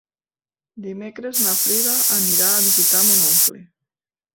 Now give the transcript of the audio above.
Dimecres na Frida anirà a visitar mon oncle.